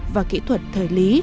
và kỹ thuật thời lý